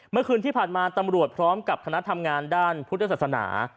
เมื่อคืนที่ผ่านมาตำรวจพร้อมกับคณะทำงานด้านพุทธศาสนา